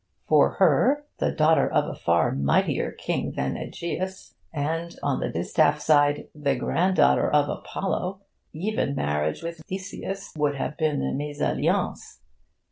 For her the daughter of a far mightier king than Aegeus, and, on the distaff side, the granddaughter of Apollo even marriage with Theseus would have been a me'salliance.